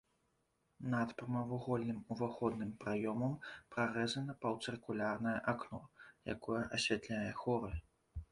Над прамавугольным уваходным праёмам прарэзана паўцыркульнае акно, якое асвятляе хоры.